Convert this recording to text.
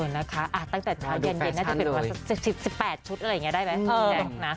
อ๋อนะคะตั้งแต่เย็นน่าจะเป็นประมาณ๑๘ชุดอะไรอย่างนี้ได้ไหม